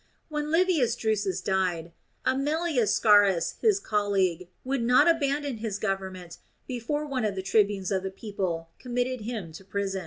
When Livius Drusus died, Aemilius Scaurus his colleague would not abandon his government before one of the tribunes of the people committed him to prison.